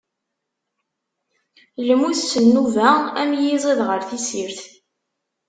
Lmut s nnuba, am yiẓid ɣeṛ tessirt.